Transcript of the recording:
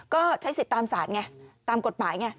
ก็ใช้สิทธิ์ตามศาลไงตามกฎหมายไง